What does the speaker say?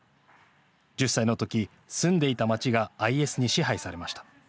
１０歳のとき、住んでいた町がＩＳに支配されました。